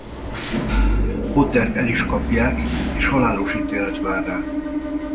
Pottert el is kapják és halálos ítélet vár rá.